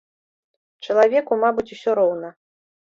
Чалавеку, мабыць, усё роўна.